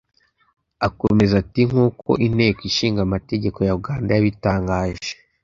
Akomeza ati “Nk’uko Inteko Ishinga Amategeko ya Uganda yabitangaje